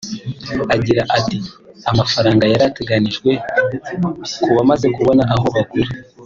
Agira ati “Amafaranga yarateganyijwe ku bamaze kubona aho bagura